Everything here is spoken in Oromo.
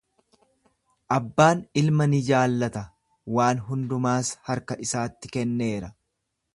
Abbaan ilma ni jaallata, waan hundumaas harka isatti kenneera.